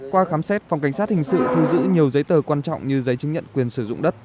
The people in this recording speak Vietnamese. qua khám xét phòng cảnh sát hình sự thu giữ nhiều giấy tờ quan trọng như giấy chứng nhận quyền sử dụng đất